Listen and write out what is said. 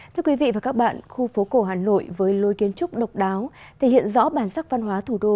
thưa quý vị và các bạn khu phố cổ hà nội với lôi kiến trúc độc đáo thể hiện rõ bản sắc văn hóa thủ đô